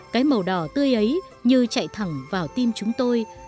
cái màu đỏ tươi ấy như chạy thẳng vào tim chúng tôi